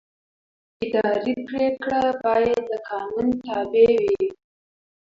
اداري پرېکړه باید د قانون تابع وي.